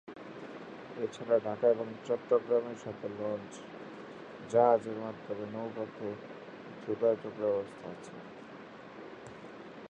এছাড়া ঢাকা এবং চট্টগ্রামের সাথে লঞ্চ, জাহাজের মাধ্যমে নৌপথে যোগাযোগ ব্যবস্থা আছে।